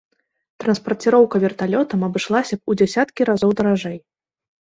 Транспарціроўка верталётам абышлася б у дзясяткі разоў даражэй.